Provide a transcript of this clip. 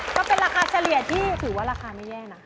ก็เป็นราคาเฉลี่ยที่ถือว่าราคาไม่แย่นะ